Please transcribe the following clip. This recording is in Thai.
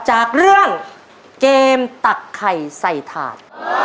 จากเรื่องเกมตักไข่ใส่ถาด